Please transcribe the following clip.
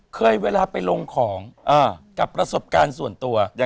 เวลาไปลงของกับประสบการณ์ส่วนตัว